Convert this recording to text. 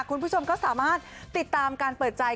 คุณผู้ชมก็สามารถติดตามการเปิดใจ